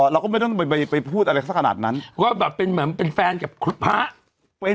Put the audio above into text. เราก็ไม่ต้องไปพูดอะไรสักขนาดนั้นว่าแบบเป็นเหมือนเป็นแฟนกับพระ